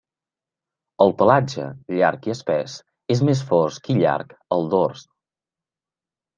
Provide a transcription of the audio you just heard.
El pelatge, llarg i espès, és més fosc i llarg al dors.